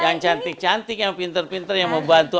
yang cantik cantik yang pinter pinter yang membantu